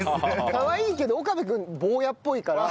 かわいいけど岡部君坊やっぽいから。